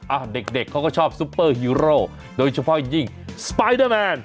อ่ะเด็กเด็กเขาก็ชอบซุปเปอร์ฮีโร่โดยเฉพาะอย่างยิ่งสปายเดอร์แมน